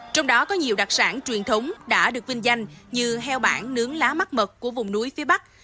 trong đó có nhiều đặc sản truyền thống đã được vinh danh như heo bản nướng lá mắt mật của vùng núi phía bắc